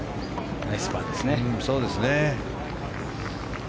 ナイスパーですね。